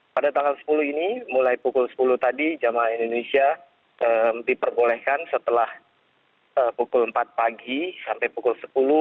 pada tanggal sepuluh ini mulai pukul sepuluh tadi jemaah indonesia diperbolehkan setelah pukul empat pagi sampai pukul sepuluh